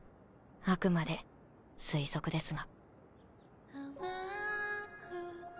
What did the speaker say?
あくまで推測ですが。